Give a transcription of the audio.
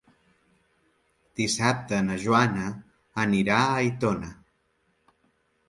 Dissabte na Joana anirà a Aitona.